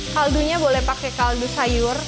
kaldunya boleh pakai kaldu sayur